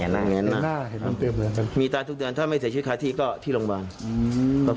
อ๋ออย่างนั้นมีตัวทุกเดือนถ้าไม่เสียชีวิตค่าที่ก็ที่โรงพยาบาล